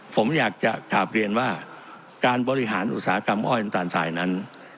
ผมอยากจะกลับเรียนว่าการบริหารอุตสาหกรรมอ้อยน้ำตาลทรายนั้น